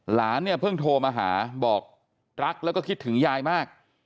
หลานเนี่ยเพิ่งโทรมาหาบอกรักแล้วก็คิดถึงยายมาก